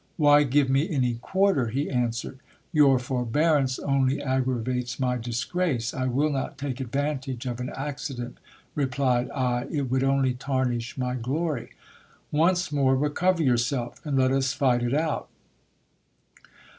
Why give me any quarter? he answered. Your forbearance only aggravates my disgrace. I will not take advantage of an accident, replied I ; it would only tarnish my glory. Once more recover yourself, and let us fight it out.